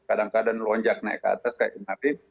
kadang kadang lonjak naik ke atas kayak kemarin